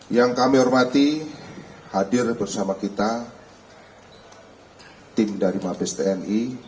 yang kami hormati hadir bersama kita tim dari mabes tni